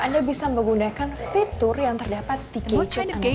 anda bisa menggunakan fitur yang terdapat di gadget